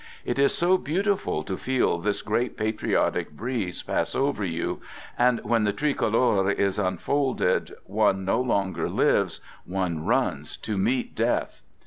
It is so beautiful to feel this great patriotic breeze pass over you, and when the tri color is unfolded, one no longer lives, one runs to meet death.